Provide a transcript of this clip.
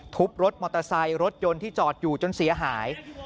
รถมอเตอร์ไซค์รถยนต์ที่จอดอยู่จนเสียหาย